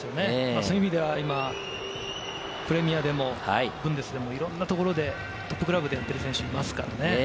そういう意味では、プレミアでもブンデスでも、いろんなところでトップクラブでやっている選手がいますからね。